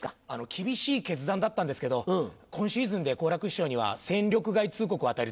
厳しい決断だったんですけど今シーズンで好楽師匠には戦力外通告を与えるつもりです。